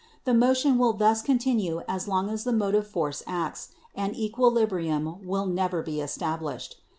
The motion will thus continue as long as the motive force acts, and equilibrium will never be established.